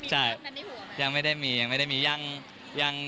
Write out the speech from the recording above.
ใช่ยังไม่ได้มียังไม่ได้มียัง